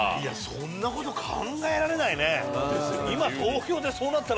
そんなこと考えられないね。